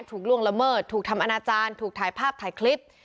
ล่วงละเมิดถูกทำอนาจารย์ถูกถ่ายภาพถ่ายคลิป